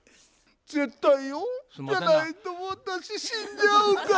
絶対よでないと私死んじゃうから。